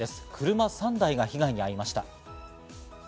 車３台が被害に遭いました。